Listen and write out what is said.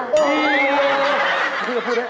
พี่ก็พูดได้ไหม